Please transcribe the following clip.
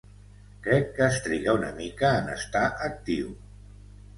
Crec que es triga una mica en estar actiu.